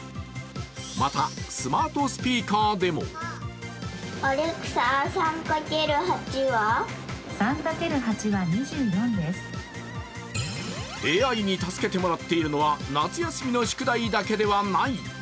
また、スマートスピーカーでもＡＩに助けてもらっているのは夏休みの宿題だけではない。